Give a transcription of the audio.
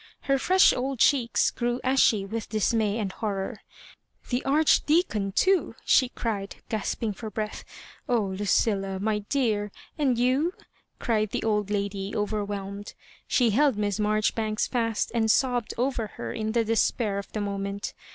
Her fresh old cheeks grew ashy with dismay and horror. " The Archdeacon, too," she cried, gasping for breath, "Oh, Lucilla, my dear! — and you?" cried the old lady, overwhelmed. She held Miss Marjori banks fast, and sobbed over her m the despair of the moment.